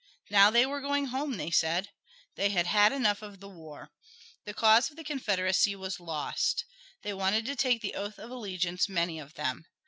Now they were going home, they said. They had had enough of the war. The cause of the Confederacy was lost. They wanted to take the oath of allegiance many of them.